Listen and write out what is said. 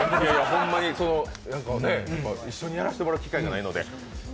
ほんまに、一緒にやらせてもらう機会がないので。